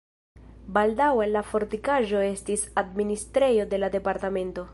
Baldaŭe la fortikaĵo estis administrejo de la departemento.